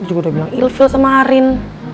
dia juga udah bilang ilfe sama arin